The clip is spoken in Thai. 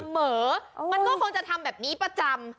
มันก็คงจะทำแบบนี้ประจำ